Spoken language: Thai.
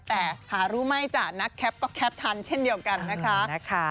แต่หารู้ไหมจ้ะนักแคปก็แคปทันเช่นเดียวกันนะคะ